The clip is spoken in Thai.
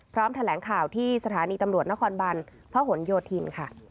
พร้อมแถลงข่าวที่สถานีตำรวจนครบันพหโยธิน